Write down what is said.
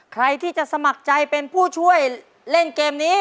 ใครที่จะสมัครใจเป็นผู้ช่วยเล่นเกมนี้